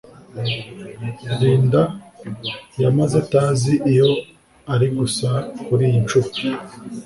Linda yamaze atazi iyo ari gusa kuri iyincuro